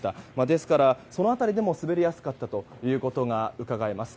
ですから、その辺りでも滑りやすかったということがうかがえます。